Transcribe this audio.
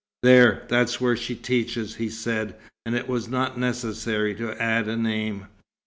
"There, that's where she teaches," he said; and it was not necessary to add a name.